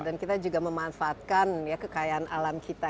dan kita juga memanfaatkan kekayaan alam kita